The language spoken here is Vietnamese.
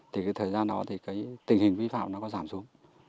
thời gian đó tình hình vi phạm nó có giảm xuống